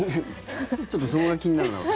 ちょっとそこが気になるな。